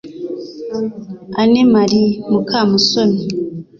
Anne Marie Mukamusoni